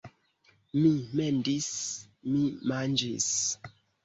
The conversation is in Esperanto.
Mi mendis... mi manĝis